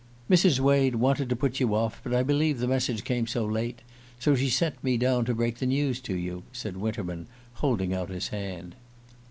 "Mrs. Wade wanted to put you off, but I believe the message came too late; so she sent me down to break the news to you," said Winterman, holding out his hand.